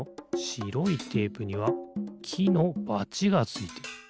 しろいテープにはきのバチがついてる。